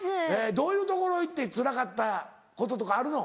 どういう所行ってつらかったこととかあるの？